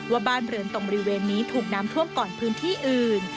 ว่าบ้านเรือนตรงบริเวณนี้ถูกน้ำท่วมก่อนพื้นที่อื่น